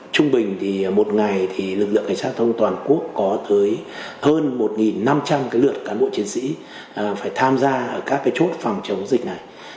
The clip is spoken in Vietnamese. trung bình thì một ngày thì lực lượng cảnh sát giao thông toàn quốc có tới hơn một năm trăm linh lượt cán bộ chiến sĩ phải tham gia ở các chốt phòng chống dịch này